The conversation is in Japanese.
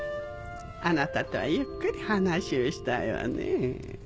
あなたとはゆっくり話をしたいわねぇ。